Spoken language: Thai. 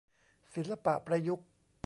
ศิลปะประยุกต์